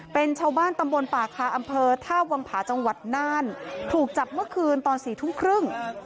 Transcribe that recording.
เป็นชาวบ้านตำบลป่าคาอำเภอท่าวังผาจังหวัดน่านถูกจับเมื่อคืนตอน๔ทุ่มครึ่ง